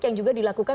yang juga dilakukan